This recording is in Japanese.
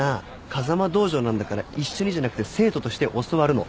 風間道場なんだから一緒にじゃなくて生徒として教わるの。